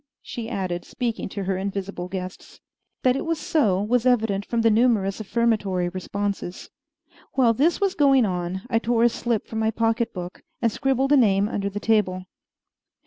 she added, speaking to her invisible guests. That it was so was evident from the numerous affirmatory responses. While this was going on, I tore a slip from my pocket book and scribbled a name under the table.